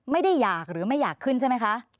ไม่ได้อยากหรือไม่อยากขึ้นใช่ไหมคะ